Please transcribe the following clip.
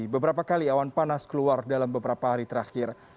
beberapa kali awan panas keluar dalam beberapa hari terakhir